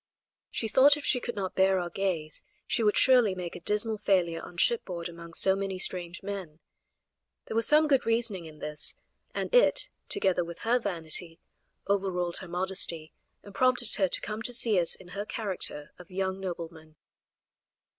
She thought if she could not bear our gaze she would surely make a dismal failure on shipboard among so many strange men. There was some good reasoning in this, and it, together with her vanity, overruled her modesty, and prompted her to come to see us in her character of young nobleman.